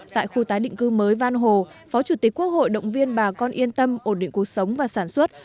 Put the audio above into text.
tại khu tái định cư mới van hồ phó chủ tịch quốc hội động viên bà con yên tâm ổn định cuộc sống và sản xuất